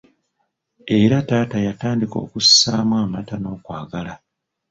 Era taata yatandika okusaamu amata n'okwagala.